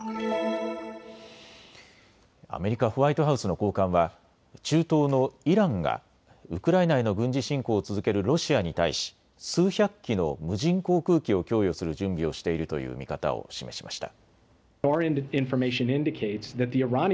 アメリカ・ホワイトハウスの高官は中東のイランがウクライナへの軍事侵攻を続けるロシアに対し数百機の無人航空機を供与する準備をしているという見方を示しました。